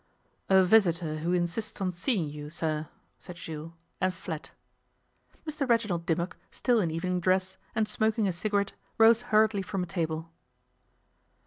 'A visitor, who insists on seeing you, sir,' said Jules, and fled. Mr Reginald Dimmock, still in evening dress, and smoking a cigarette, rose hurriedly from a table.